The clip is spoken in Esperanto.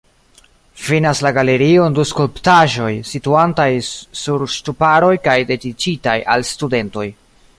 Finas la galerion du skulptaĵoj, situantaj sur ŝtuparoj kaj dediĉitaj al studentoj.